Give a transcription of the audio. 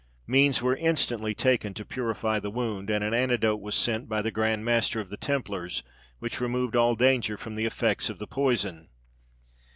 Means were instantly taken to purify the wound, and an antidote was sent by the Grand Master of the Templars which removed all danger from the effects of the poison.